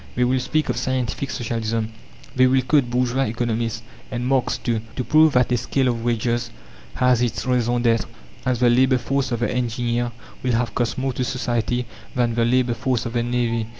They will speak of "Scientific Socialism"; they will quote bourgeois economists, and Marx too, to prove that a scale of wages has its raison d'être, as "the labour force" of the engineer will have cost more to society than the "labour force" of the navvy.